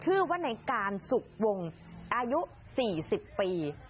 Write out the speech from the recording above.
ชื่อว่าในการสุขวงอายุ๔๐ปี